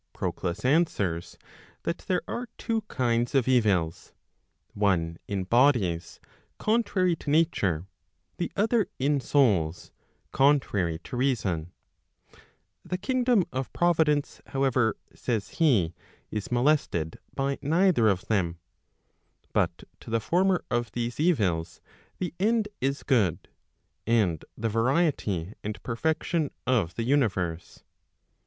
Proclus answers, that there are two kinds of evils, one in bodies, contrary to nature; the other in souls, contrary to reason; The kingdom of Provi¬ dence, however, says he, is molested by neither of them; but to the former of these evils, the end is good, and the variety and perfection of the uni¬ verse.